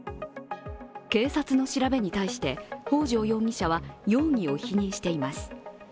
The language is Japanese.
警察の調べに対して北條容疑者は容疑を否認しています。